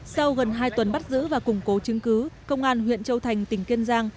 sau gần hai tuần bắt giữ và củng cố chứng cứ công an huyện châu thành tỉnh kiên giang